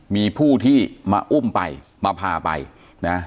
มีผู้ที่มาอุ้มไปมาพาไปนะ